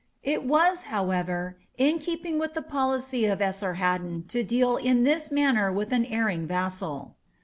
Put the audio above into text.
" It was, however, in keeping with the policy of Esarhaddon to deal in this manner with an erring vassal.